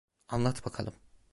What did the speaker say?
Anlat bakalım.